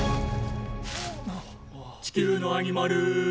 「地球のアニマル」